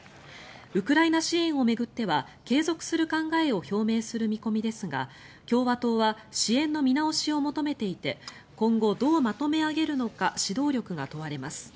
ウクライナ支援を巡っては継続する考えを表明する見込みですが共和党は支援の見直しを求めていて今後どうまとめ上げるのか指導力が問われます。